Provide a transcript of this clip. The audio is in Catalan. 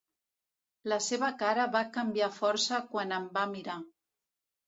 La seva cara va canviar força quan em va mirar.